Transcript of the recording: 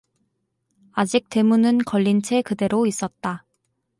아직 대문은 걸린 채 그대로 있었다.